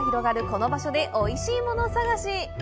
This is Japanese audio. この場所でおいしいもの探し！